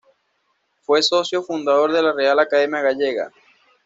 Fue socio fundador de la Real Academia Gallega.